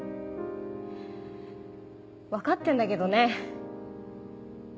分かってんだけどね。